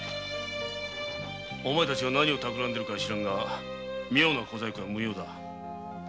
お前たちが何をたくらんでいるか知らんが妙な小細工は無用だ。